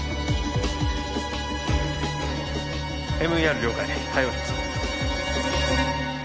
ＭＥＲ了解対応します